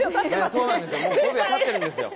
そうなんですよ！